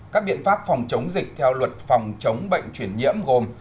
các biện pháp phòng chống dịch theo luật phòng chống bệnh chuyển nhiễm gồm